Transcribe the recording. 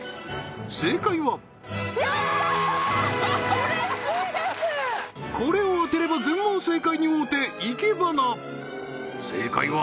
うれしいですこれを当てれば全問正解に王手生け花正解は？